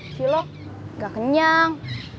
cilok gak kenyang